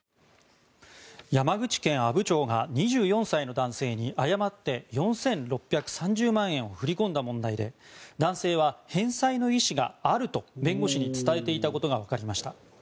山口県阿武町が２４歳の男性に誤って４６３０万円を振り込んだ問題で男性は返済の意思があると弁護士に伝えていたことがわかりました。